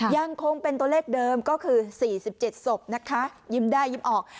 ยังคงเป็นตัวเลขเดิมก็คือ๔๗ศพนะคะยิ้มได้ยิ้มออก